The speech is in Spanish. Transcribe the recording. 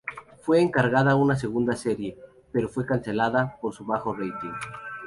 Fue encargada una segunda serie, pero fue cancelada por su bajo rating.